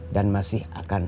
dan masih akan ada